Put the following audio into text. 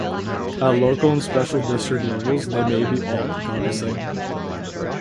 At local and special district levels, they may be all-encompassing.